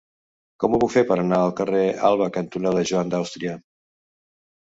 Com ho puc fer per anar al carrer Alba cantonada Joan d'Àustria?